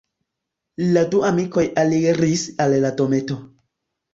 La du amikoj aliris al la dometo.